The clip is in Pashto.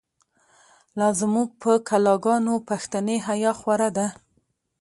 لا زمونږ په کلا گانو، پښتنی حیا خوره ده